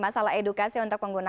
masalah edukasi untuk pengguna